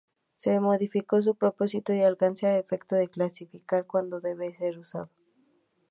Se modificó su propósito y alcance, a efectos de clarificar cuando debe ser usado.